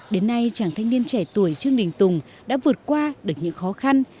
đến nay chàng thanh niên trẻ tuổi trương đình tùng đã vượt qua được những khó khăn